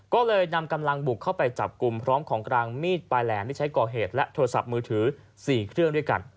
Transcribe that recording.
ก็เลยนำกำลังบุกเข้าไปจับกลุ่มพร้อมของกลางมีดปลายแหลมที่ใช้ก่อเหตุและโทรศัพท์มือถือ๔เครื่องด้วยกัน